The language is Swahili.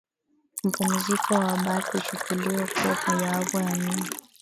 mapumziko wa Bath huchukuliwa kuwa mojawapo ya miji